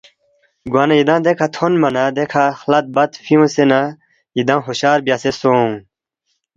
گوانہ یدانگ دیکھہ تھونما نہ دیکھہ خلد بد فیُونگسے نہ یدانگ ہُوشیار بیاسے سونگ